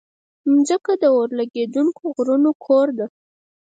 مځکه د اورلرونکو غرونو کور ده.